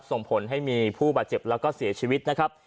ส่งผลให้มีผู้บาดเจ็บแล้วก็เสียชีวิตนะครับ